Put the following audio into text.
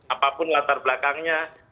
apapun latar belakangnya